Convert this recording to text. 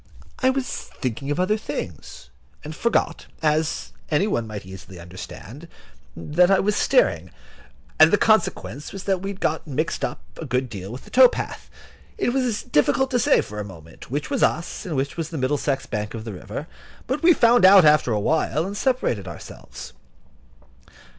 I was thinking of other things, and forgot, as any one might easily understand, that I was steering, and the consequence was that we had got mixed up a good deal with the tow path. It was difficult to say, for the moment, which was us and which was the Middlesex bank of the river; but we found out after a while, and separated ourselves.